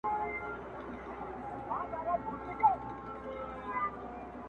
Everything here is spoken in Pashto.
د ریا کارو زاهدانو ټولۍ!!